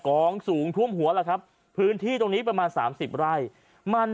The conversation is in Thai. กองสูงท่วมหัวล่ะครับพื้นที่ตรงนี้ประมาณสามสิบไร่มัน